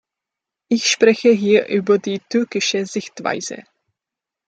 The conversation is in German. Ich spreche hier über die türkische Sichtweise.